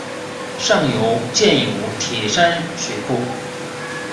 上游建有铁山水库。